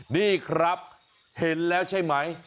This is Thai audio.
นี่ครับเห็นแล้วใช่ไหม